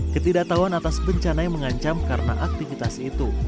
ketidaktahuan atas bencana yang mengancam karena aktivitas itu